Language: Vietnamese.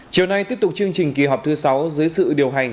chiều nay tiếp tục chương trình kỳ họp thứ sáu dưới sự điều hành